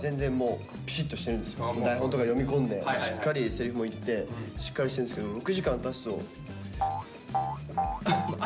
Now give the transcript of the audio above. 台本とか読み込んでしっかりセリフも言ってしっかりしてるんですけどそう！